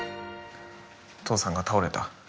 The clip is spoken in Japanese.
父さんが倒れた。